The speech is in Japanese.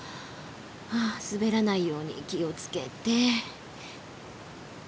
あ滑らないように気を付けて。